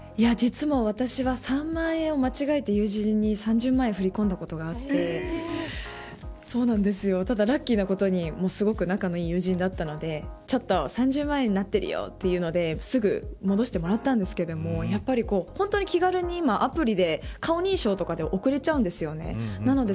私は３万円を間違えて友人に３０万円振り込んだことがあってラッキーなことにすごく仲のいい友人だったので３０万円になっているよとすぐに戻してもらったんですが気軽にアプリで顔認証とかで送れちゃうんです。